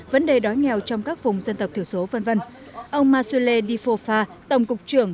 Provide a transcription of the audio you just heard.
vấn đề đói nghèo trong các vùng dân tộc thiểu số v v ông masule difofa tổng cục trưởng